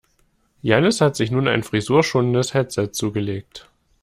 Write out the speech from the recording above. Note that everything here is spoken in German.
Jannis hat sich nun ein frisurschonendes Headset zugelegt.